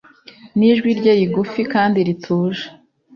Nijwi rye rigufi kandi rituje